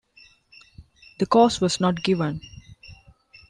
The cause was not given.